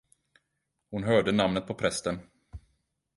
Hon hörde namnet på prästen.